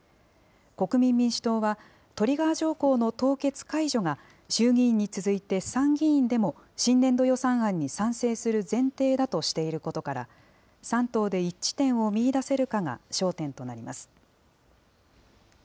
国民民主党は、トリガー条項の凍結解除が、衆議院に続いて参議院でも、新年度予算案に賛成する前提だとしていることから、３党で一致点を見いだせるかが焦点となります。